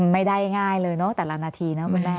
ไม่ได้ง่ายเลยเนอะแต่ละนาทีนะคุณแม่